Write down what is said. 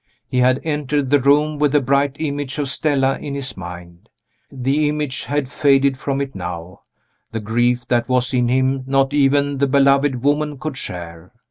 He had entered the room with the bright image of Stella in his mind. The image had faded from it now the grief that was in him not even the beloved woman could share.